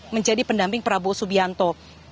menjadi pendamping prabowo subianto